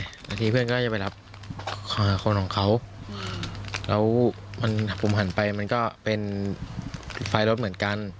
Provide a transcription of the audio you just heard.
บางทีเพื่อนก็จะไปรับคนของเขาแล้วมันผมหันไปมันก็เป็นไฟรถเหมือนกัน